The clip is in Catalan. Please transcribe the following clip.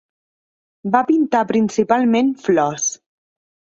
Va pintar principalment flors.